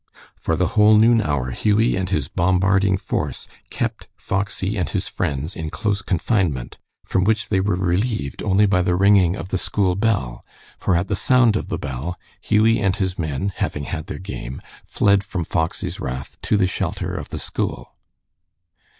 For the whole noon hour Hughie and his bombarding force kept Foxy and his friends in close confinement, from which they were relieved only by the ringing of the school bell, for at the sound of the bell Hughie and his men, having had their game, fled from Foxy's wrath to the shelter of the school.